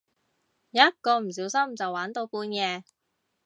一個唔小心就玩到半夜